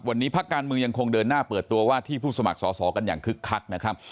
วันนี้พักการเมืองยังคงเดินหน้าเปิดตัวว่าที่ผู้สมัครสอสอกันอย่างคึกคักนะครับ